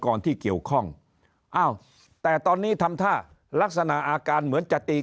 ก่อนที่เกี่ยวข้องอ้าวแต่ตอนนี้ทำท่าลักษณะอาการเหมือนจะตี